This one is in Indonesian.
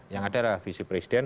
yang ada adalah visi presiden